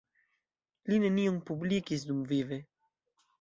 Li nenion publikis dumvive.